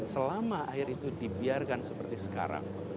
selama air itu dibiarkan seperti sekarang